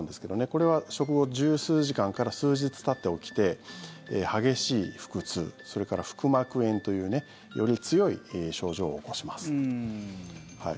これは食後１０数時間から数日たって起きて激しい腹痛それから腹膜炎というより強い症状を起こします。